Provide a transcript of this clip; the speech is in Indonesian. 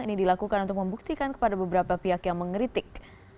ini dilakukan untuk membuktikan kepada beberapa pihak yang mengeritik